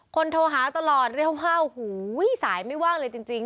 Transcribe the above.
โทรหาตลอดเรียวห้าวหูสายไม่ว่างเลยจริง